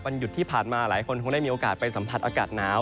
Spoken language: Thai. หยุดที่ผ่านมาหลายคนคงได้มีโอกาสไปสัมผัสอากาศหนาว